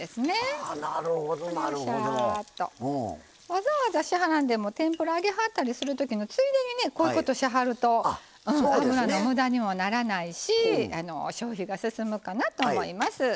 わざわざしはらんでも天ぷら揚げはったりするときのついでにねこういうことしはると油のむだにもならないし消費が進むかなと思います。